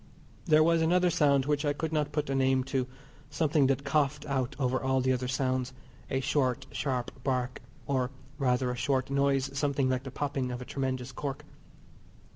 There was another sound which I could not put a name to, something that coughed out over all the other sounds, a short, sharp bark, or rather a short noise something like the popping of a tremendous cork.